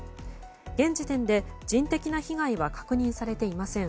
現時点で人的な被害は確認されていません。